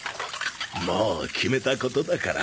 もう決めたことだから。